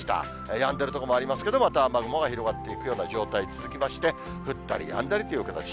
やんでる所もありますけれども、また雨雲広がるというような状態続きまして、降ったりやんだりという形。